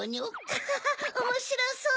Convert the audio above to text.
アハハおもしろそう！